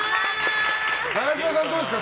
永島さん、どうですか。